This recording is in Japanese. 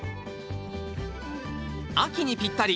秋にぴったり！